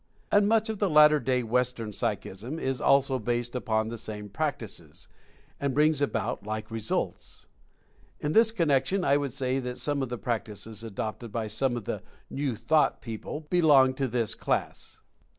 And much of the latter day Western Psychism is also based upon the same practices, and brings about like results. In this connection I would say that some of the practices adopted by some of the "New Thought" people belong to this class.